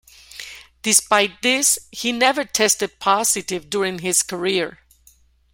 Despite this, he never tested positive during his career.